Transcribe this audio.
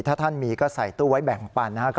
ถ้าท่านมีก็ใส่ตู้ไว้แบ่งปันนะครับ